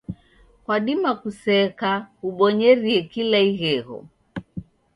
Kwadima kuseka kubonyerie kida ighegho.